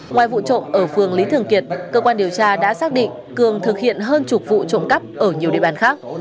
ngoài vụ trộm ở phường lý thường kiệt cơ quan điều tra đã xác định cường thực hiện hơn chục vụ trộm cắp ở nhiều địa bàn khác